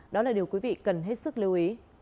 đó là điều quý vị cần hết sức lưu ý